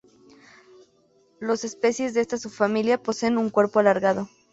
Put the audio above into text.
Los especies de esta subfamilia poseen un cuerpo alargado.